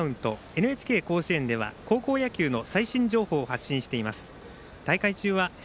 ＮＨＫ甲子園では高校野球の最新情報をお伝えしています。